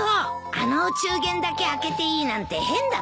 あのお中元だけ開けていいなんて変だと思ったんだよ。